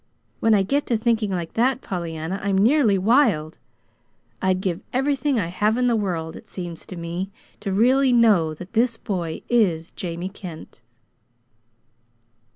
When I get to thinking like that, Pollyanna, I'm nearly wild. I'd give everything I have in the world, it seems to me, to really KNOW that this boy is Jamie Kent."